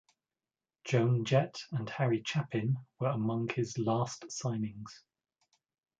Joan Jett and Harry Chapin were among his last signings.